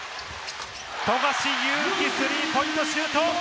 富樫勇樹、スリーポイントシュート！